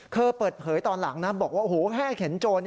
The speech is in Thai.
เขาเปิดเผยตอนหลังบอกว่าแห้งเห็นโจร